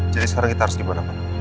jadi sekarang kita harus dimana pak